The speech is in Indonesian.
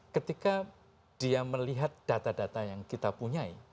ketika dia melihat data data yang kita punya